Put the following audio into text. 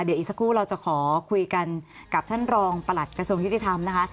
เดี๋ยวอีกสักครู่เราจะขอคุยกันกับท่านรองประหลัดกระทรวงยุติธรรมนะคะ